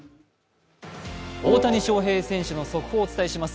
大谷翔平選手の速報をお伝えします。